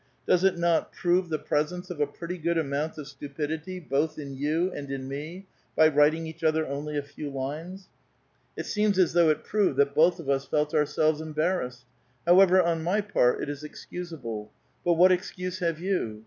Does it not prove the presence of a pretty good amount of stupidity, both in you and in me, by writing each other only a few lines. It seems as though 336 A VITAL QUESTION. it proved that l)oth of us felt ourselves embarrassed. How ever, on my part, it is excusable ; but what excuse have you?